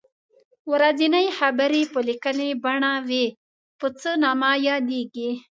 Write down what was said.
ورځنۍ خبرې په لیکنۍ بڼه وي په څه نامه یادیږي.